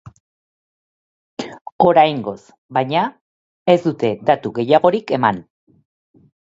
Oraingoz, baina, ez dute datu gehiagorik eman.